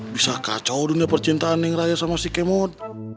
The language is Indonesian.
bisa kacau dunia percintaan neng raya sama si kemod